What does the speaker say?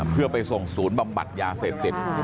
เพื่อไปส่งศูนย์บำบัดยาเสพติด